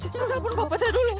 cip cip telepon bapak saya dulu